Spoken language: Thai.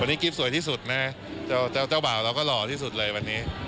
วันนี้กิ๊บสวยที่สุดนะเจ้าบ่าวเราก็หล่อที่สุดเลยวันนี้